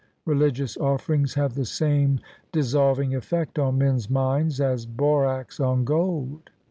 Religious offerings have the same dissolving effect on men's minds as borax on gold.'